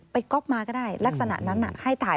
ก๊อปมาก็ได้ลักษณะนั้นให้ถ่าย